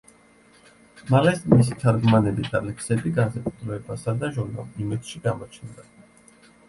მალე მისი თარგმანები და ლექსები გაზეთ „დროებასა“ და ჟურნალ „იმედში“ გამოჩნდა.